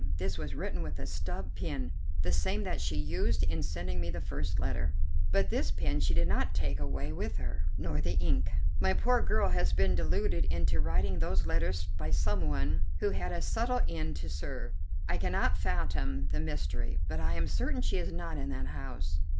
This was written with a stub pen, the same that she used in sending me the first letter; but this pen she did not take away with her, nor the ink. My poor girl has been deluded into writing those letters by some one who had a subtle end to serve. I cannot fathom the mystery, but I am certain she is not in that house."